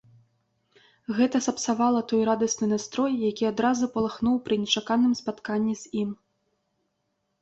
Гэта сапсавала той радасны настрой, які адразу палыхнуў пры нечаканым спатканні з ім.